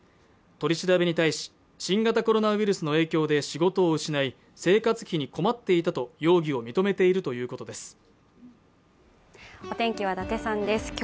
取り調べに対し新型コロナウイルスの影響で仕事を失い生活費に困っていたと容疑を認めているということです